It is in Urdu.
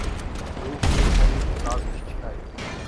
حروف کے تئیں حساس چھٹائی